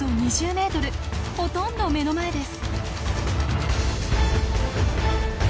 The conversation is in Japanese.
ほとんど目の前です。